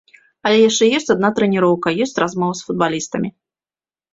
Але яшчэ ёсць адна трэніроўка, ёсць размова з футбалістамі.